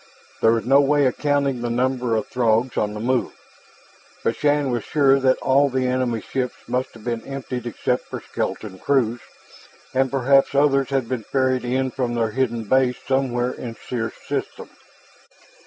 There was no way of counting the number of Throgs on the move. But Shann was sure that all the enemy ships must have been emptied except for skeleton crews, and perhaps others had been ferried in from their hidden base somewhere in Circe's system.